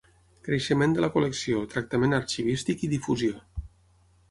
Creixement de la col·lecció, tractament arxivístic i difusió.